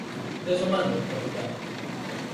Tes o mando, Capitán.